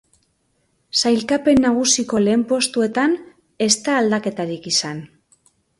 Sailkapen nagusiko lehen postuetab, ez da aldaketarik izan.